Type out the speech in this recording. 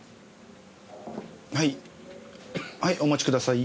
はいはいお待ちください。